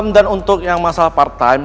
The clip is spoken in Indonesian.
dan untuk yang masalah part time